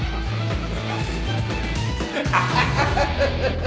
ハハハハハ！